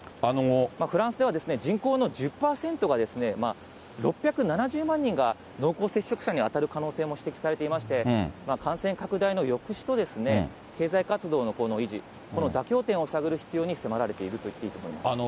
フランスでは人口の１０％が、６７０万人が、濃厚接触者に当たる可能性も指摘されていまして、感染拡大の抑止と経済活動の維持、この妥協点を探る必要に迫られていると言っていいと思います。